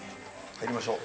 入りましょう。